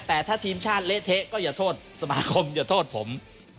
แต่ถ้าทีมชาติเละเทะก็อย่าโทษสมาคมอย่าโทษผม